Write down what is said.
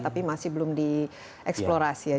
tapi masih belum di eksplorasi ya